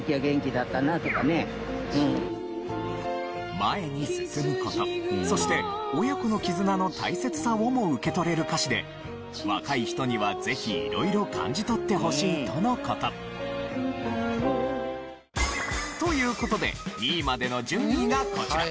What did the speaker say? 前に進む事そして親子の絆の大切さをも受け取れる歌詞で若い人にはぜひ色々感じ取ってほしいとの事。という事で２位までの順位がこちら。